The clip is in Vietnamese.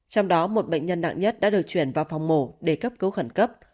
trong đó một bệnh nhân nặng nhất đã được chuyển vào phòng mổ để cấp cứu khẩn cấp